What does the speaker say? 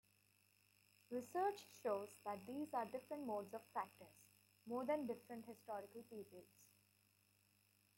Research shows that these are different modes of practice, more than different historical periods.